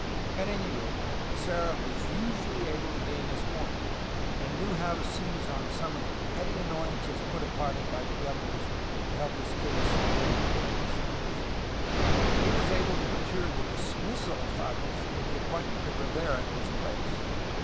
At any rate, Serra was able usually to gain his point, and knew how to seize on some of the petty annoyances put upon him by the governors to help his case in more important affairs. He was able to procure the dismissal of Fages and the appoint ment of Rivera in his place.